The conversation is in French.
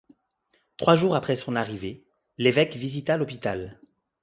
Trois jours après son arrivée, l'évêque visita l'hôpital.